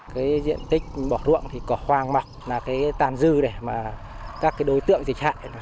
cái diện tích bỏ ruộng thì có hoang mặc là cái tàn dư để các đối tượng dịch hạn